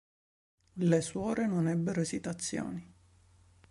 Le suore non ebbero esitazioni.